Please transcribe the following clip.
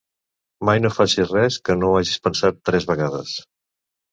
Mai no facis res que no ho hagis pensat tres vegades.